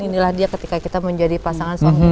inilah dia ketika kita menjadi pasangan suami